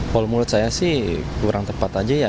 kalau menurut saya sih kurang tepat aja ya